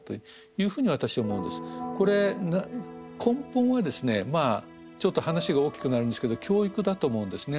これ根本はですねまあちょっと話が大きくなるんですけど教育だと思うんですね。